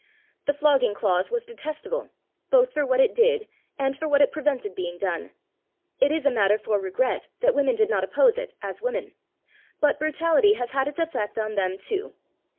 The flogging clause was detestable, both for what it did and for what it prevented being done. It is a matter for regret that women did not oppose it, as women; but brutality has had its effect on them too.